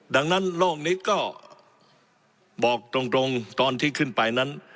ดังนั้นโลกนี้ก็บอกตรงตอนที่ขึ้นไปนั้น